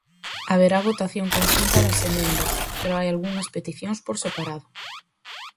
Haberá votación conxunta das emendas, pero hai algunhas peticións por separado.